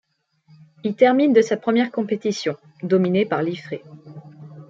Il termine de sa première compétition, dominée par Liffré.